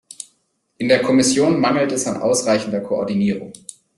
In der Kommission mangelt es an ausreichender Koordinierung.